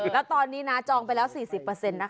และตอนนี้น่าจองไปแล้ว๔๐เปอร์เซ็นต์นะคะ